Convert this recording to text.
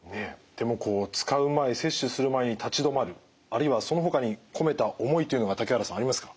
でもこう使う前摂取する前に立ち止まるあるいはそのほかに込めた思いというのが竹原さんありますか？